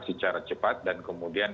secara cepat dan kemudian